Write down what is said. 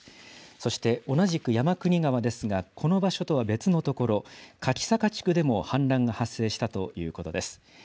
そして同じく山国川ですが、この場所とは別の所、柿坂地区でも氾濫が発生したということです。